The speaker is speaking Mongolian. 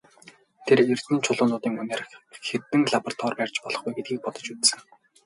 Тэр эрдэнийн чулуунуудын үнээр хэдэн лаборатори барьж болох вэ гэдгийг бодож үзсэн юм.